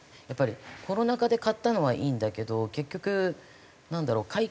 やっぱりコロナ禍で買ったのはいいんだけど結局なんだろう。